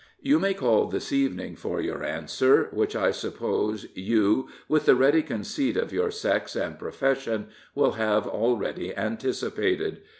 "You may call this evening for your answer, which I suppose you, with the ready conceit of your sex and profession, will have already anticipated.